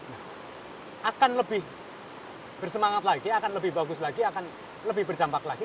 nah akan lebih bersemangat lagi akan lebih bagus lagi akan lebih berdampak lagi